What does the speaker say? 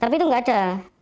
tapi itu gak ada